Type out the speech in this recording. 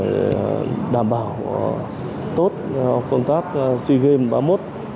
để đảm bảo tốt công tác sea games ba mươi một